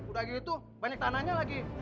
udah gitu banyak tanahnya lagi